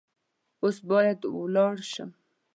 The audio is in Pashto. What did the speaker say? اوس باید ولاړ شم .